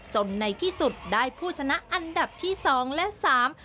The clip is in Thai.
ในที่สุดได้ผู้ชนะอันดับที่สองและสาม